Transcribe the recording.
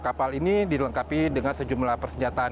kapal ini dilengkapi dengan sejumlah persenjataan